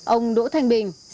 ông đỗ thanh bình